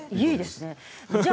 いいですね。